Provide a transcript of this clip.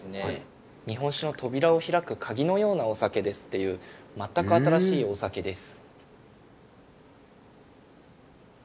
日本酒の扉を開く鍵のようなお酒ですっていう全く新しいお酒です。